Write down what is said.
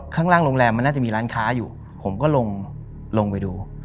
ข้างล่างโรงแรมมันน่าจะมีร้านค้าอยู่ผมก็ลงไปดู